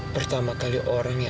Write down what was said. pertama kali orangnya